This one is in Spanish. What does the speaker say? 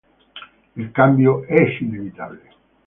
El cambio es inevitable.